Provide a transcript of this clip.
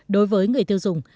đối với người tiêu dùng